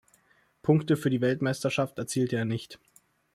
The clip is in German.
Punkte für die Weltmeisterschaft erzielte er nicht.